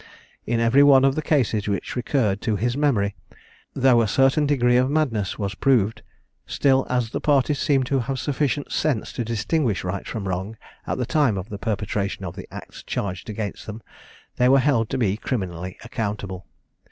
In every one of the cases which recurred to his memory, though a certain degree of madness was proved, still as the parties seemed to have sufficient sense to distinguish right from wrong at the time of the perpetration of the acts charged against them, they were held to be criminally accountable.